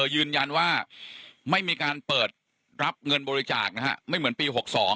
ยืนยันว่าไม่มีการเปิดรับเงินบริจาคนะฮะไม่เหมือนปี๖๒